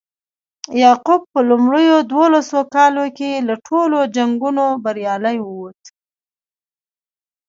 یعقوب په لومړیو دولسو کالو کې له ټولو جنګونو بریالی ووت.